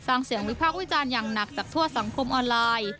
เสียงวิพากษ์วิจารณ์อย่างหนักจากทั่วสังคมออนไลน์